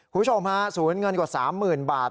สูญเงินกว่า๓๐๐๐๐บาท